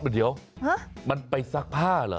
เดี๋ยวมันไปซักผ้าเหรอ